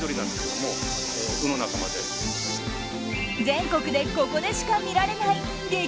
全国でここしか見られない激